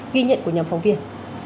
ghi nhận của nhóm phóng viên